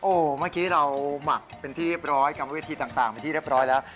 เมื่อกี้เราหมักเป็นที่เรียบร้อยกรรมวิธีต่างเป็นที่เรียบร้อยแล้ว